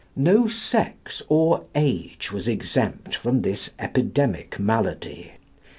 No sex or age was exempt from this epidemic malady.